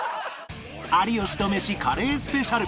有吉とメシカレースペシャル